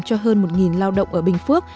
cho hơn một lao động ở bình phước